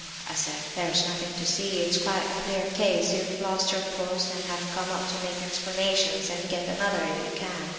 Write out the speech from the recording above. I said, 'there's nothing to see; it's quite a clear case—you've lost your post and have come up to make explanations and get another, if you can!